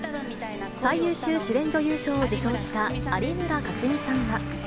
最優秀主演女優賞を受賞した有村架純さんは。